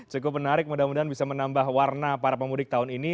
cukup menarik mudah mudahan bisa menambah warna para pemudik tahun ini